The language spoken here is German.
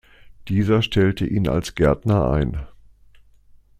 Dieser stellte ihn als Gärtner ein.